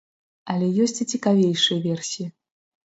Але ёсць і цікавейшыя версіі.